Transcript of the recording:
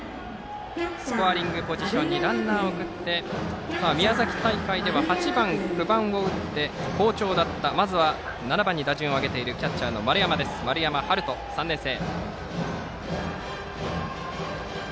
スコアリングポジションにランナーを送って宮崎大会では８番、９番を打って好調だった７番に打順を上げているキャッチャーの丸山遥音、３年生。